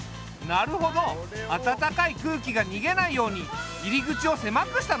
なるほど温かい空気が逃げないように入り口を狭くしたのね。